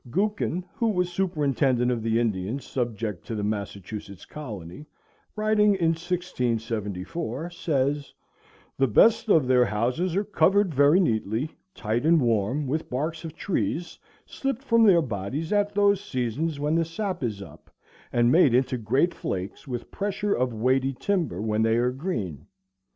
Gookin, who was superintendent of the Indians subject to the Massachusetts Colony, writing in 1674, says, "The best of their houses are covered very neatly, tight and warm, with barks of trees, slipped from their bodies at those seasons when the sap is up, and made into great flakes, with pressure of weighty timber, when they are green....